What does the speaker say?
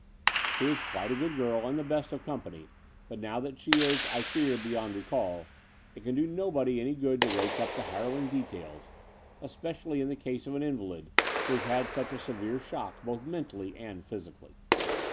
She was quite a good girl and the best of company: but now that she is, I fear, beyond recall, it can do nobody any good to rake up the harrowing details, especially in the case of an invalid who has had such a severe shock both mentally and physically."